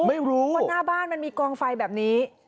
ไม่รู้ว่าหน้าบ้านมันมีกองไฟแบบนี้